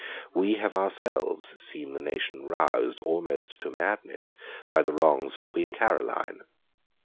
We have ourselves seen the nation roused almost to madness by the wrongs of Queen Caroline.